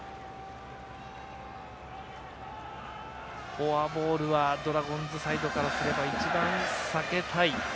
フォアボールはドラゴンズサイドからすれば一番、避けたい。